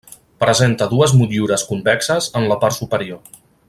Presenta dues motllures convexes en la part superior.